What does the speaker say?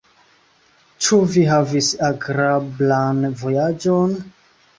Ĉu vi havis agrablan vojaĝon?